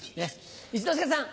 一之輔さん。